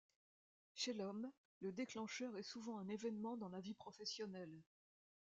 Chez l'homme, le déclencheur est souvent un événement dans la vie professionnelle.